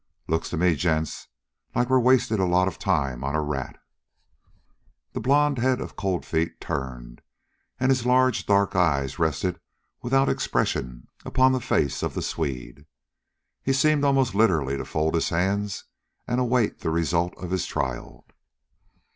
"Looks to me, gents, like we're wasting a lot of time on a rat!" The blond head of Cold Feet turned, and his large, dark eyes rested without expression upon the face of the Swede. He seemed almost literally to fold his hands and await the result of his trial.